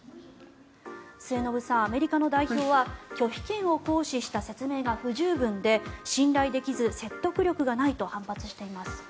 末延さん、アメリカの代表は拒否権を行使した説明が不十分で信頼できず説得力がないと反発しています。